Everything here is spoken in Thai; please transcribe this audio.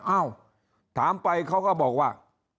เอ้าถามไปเขาก็บอกว่า